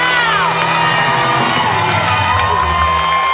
ก็คือร้องให้เหมือนเพลงเมื่อสักครู่นี้